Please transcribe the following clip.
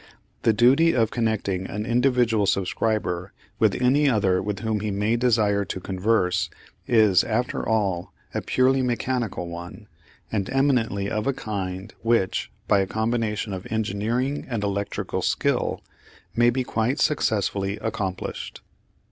The duty of connecting an individual subscriber with any other with whom he may desire to converse is, after all, a purely mechanical one, and eminently of a kind which, by a combination of engineering and electrical skill, may be quite successfully accomplished.